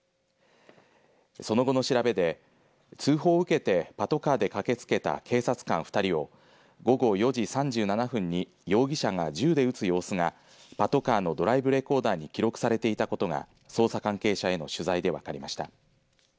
その後の調べで通報を受けてパトカーで駆けつけた警察官２人を午後４時３７分に容疑者が銃で撃つ様子がパトカーのドライブレコーダーに記録されていたことが捜査関係者への取材で分かりました。